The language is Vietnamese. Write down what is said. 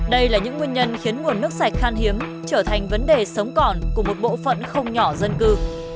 đây là những nguyên nhân khiến nguồn nước sạch khan hiếm trở thành vấn đề sống còn của một bộ phận không nhỏ dân cư